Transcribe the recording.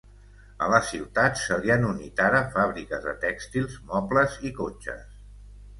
A la ciutat se li han unit ara fàbriques de tèxtils, mobles i cotxes.